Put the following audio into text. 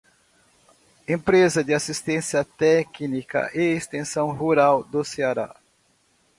Empresa de Assistência Técnica e Extensão Rural do Ceará